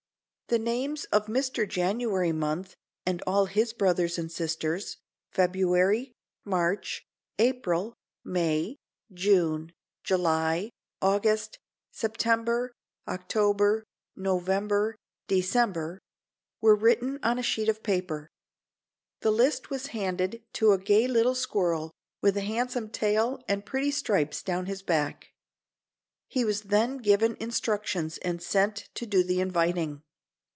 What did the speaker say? The names of Mr. January Month and all his brothers and sisters, February, March, April, May, June, July, August, September, October, November, December were written on a sheet of paper. The list was handed to a gay little squirrel, with a handsome tail and pretty stripes down his back. He was then given instructions and sent to do the inviting.